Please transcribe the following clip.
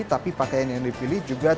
tapi pakaian yang dipilih juga